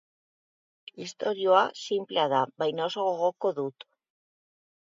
Istorioa sinplea da baina oso gogoko dut.